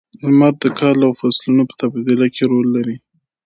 • لمر د کال او فصلونو په تبادله کې برخه لري.